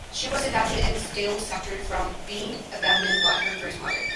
She was adopted and is still scarred from being abandoned by her birth mother.